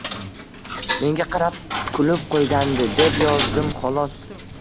Menga qarab kulib qo’yagandi deb yozdim xolos.